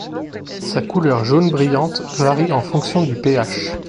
Sa couleur jaune brillante varie en fonction du pH.